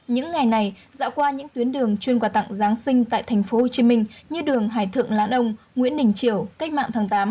những ngày này dạo qua những tuyến đường chuyên quà tặng giáng sinh tại tp hcm như đường hải thượng lãn ông nguyễn đình triều cách mạng tháng tám